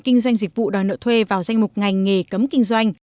kinh doanh dịch vụ đòi nợ thuê vào danh mục ngành nghề cấm kinh doanh